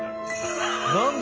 何だ？